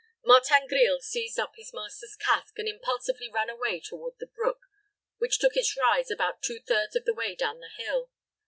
Martin Grille seized up his master's casque, and impulsively ran away toward the brook, which took its rise about two thirds of the way down the hill.